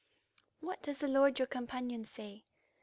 "What does the lord your companion say?"